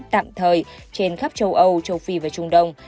tạm thời trên khắp châu âu châu phi và trung đông